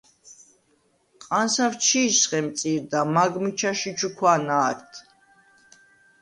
ყანსავ ჩი̄ს ხემწირდა, მაგ მიჩა შიჩუქვა̄ნ ა̄რდ.